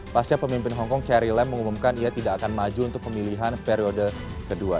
pasti pemimpin hong kong carrie lam mengumumkan ia tidak akan maju untuk pemilihan periode kedua